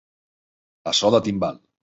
A so de timbal.